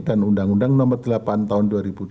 dan undang undang nomor delapan tahun dua ribu dua belas